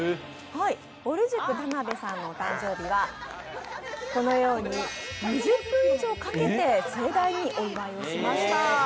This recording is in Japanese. ぼる塾・田辺さんのお誕生日はこのように２０分以上かけて盛大にお祝いをしました。